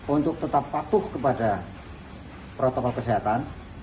untuk tetap patuh kepada protokol kesehatan